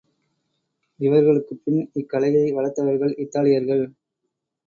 இவர்களுக்குப் பின் இக்கலையை வளர்த்தவர்கள் இத்தாலியர்கள்.